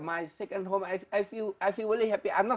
dan seperti rumah kedua saya saya merasa sangat senang